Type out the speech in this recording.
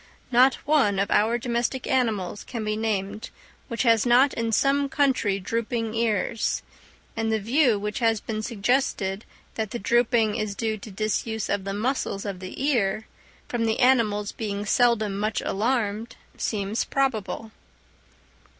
Not one of our domestic animals can be named which has not in some country drooping ears; and the view which has been suggested that the drooping is due to disuse of the muscles of the ear, from the animals being seldom much alarmed, seems probable.